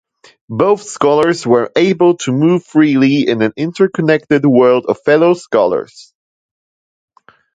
Both scholars were able to move freely in an "interconnected world of fellow scholars".